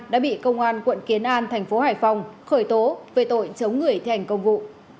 đã bị công an quận kiến an thành phố hải phòng khởi tố về tội chống người thi hành công vụ